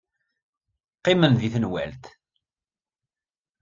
Qqimen deg tenwalt.